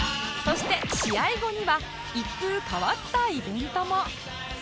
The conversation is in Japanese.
そして試合後には一風変わったイベントも！